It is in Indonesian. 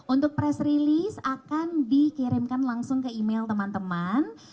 untuk press release akan dikirimkan langsung ke email teman teman